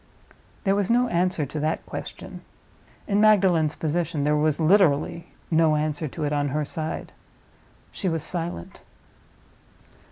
There was no answer to that question: in Magdalen's position, there was literally no answer to it on her side. She was silent.